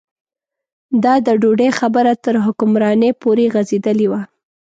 دا د ډوډۍ خبره تر حکمرانۍ پورې غځېدلې وه.